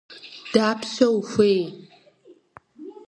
Дапщэ ухуей?